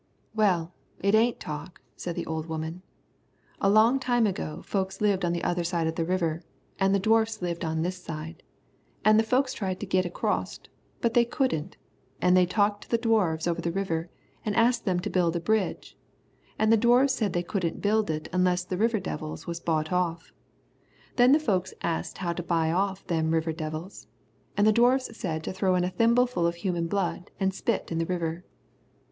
"Well, it ain't talk," said the old woman. "A long time ago, folks lived on the other side of the river, and the Dwarfs lived on this side, an' the folks tried to git acrost, but they couldn't, an' they talked to the Dwarfs over the river, an' asked them to build a bridge, an' the Dwarfs said they couldn't build it unless the river devils was bought off. Then the folks |asked how to buy off them river devils, an' the Dwarfs said to throw in a thimble full of human blood an' spit in the river.